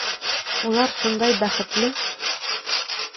Улар шундай бәхетле.